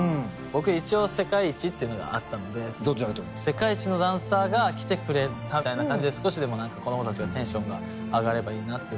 僕一応「世界一」っていうのがあったので世界一のダンサーが来てくれたみたいな感じで少しでも子供たちのテンションが上がればいいなって。